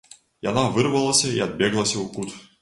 Яна вырвалася і адбеглася ў кут.